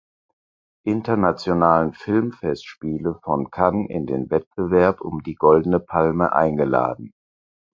Internationalen Filmfestspiele von Cannes in den Wettbewerb um die Goldene Palme eingeladen.